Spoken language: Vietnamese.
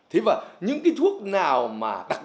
thế và những cái thuốc nào mà